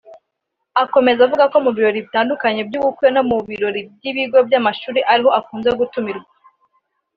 Akomeza avuga ko mu birori bitandukanye by’ubukwe no mu birori by’ibigo by’amashuri ariho akunze gutumirwa